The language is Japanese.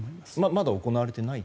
まだ行われていない？